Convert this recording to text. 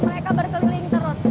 mereka berkeliling terus